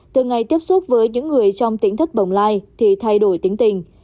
từng ngày tiếp xúc với những người trong tỉnh thất bồng lai thì thay đổi tính tình